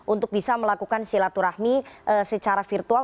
untuk bisa melakukan silaturahmi secara virtual